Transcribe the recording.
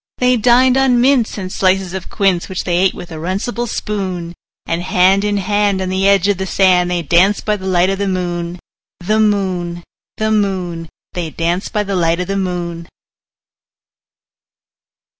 They dined on mince and slices of quince, Which they ate with a runcible spoon; And hand in hand, on the edge of the sand, They danced by the light of the moon, The moon, The moon, They danced by the light of the moon.